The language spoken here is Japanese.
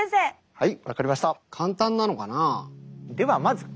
はい。